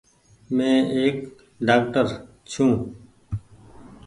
مين ايڪ ڊآڪٽر ڇون ۔